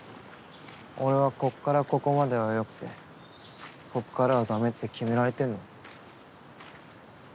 俺はこっからここまではよくてこっからはダメって決められてんの？